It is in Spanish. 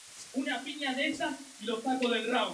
Es aproximadamente, el equivalente proteínico del genoma.